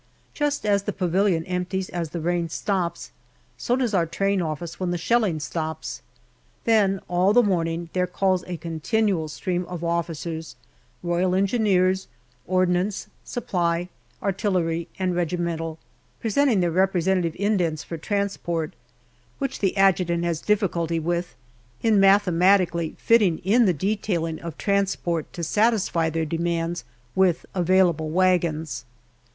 Just as the pavilion empties as the rain stops, so does our Train office when the shelling stops. Then all the morning there calls a continual stream of officers R.E., Ordnance, Supply, Artillery, and regimental presenting their respective indents for transport, which the Adjutant has difficulty with, in mathematically fitting in the detailing of transport to satisfy their demands with available wagons.